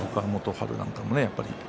春なんかもね